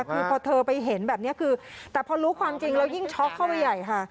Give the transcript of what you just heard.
คือพอเธอไปเห็นแบบนี้คือแต่พอรู้ความจริงแล้วยิ่งช็อกเข้าไปใหญ่ค่ะ